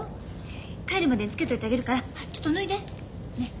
帰るまでにつけといてあげるからちょっと脱いで。ね。